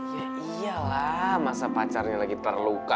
ya iyalah masa pacarnya lagi terluka